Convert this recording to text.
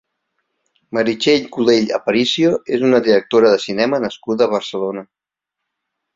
Meritxell Colell Aparicio és una directora de cinema nascuda a Barcelona.